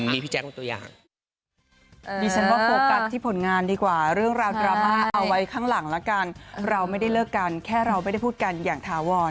มีพี่แจ๊คเป็นตัวอย่างถาวร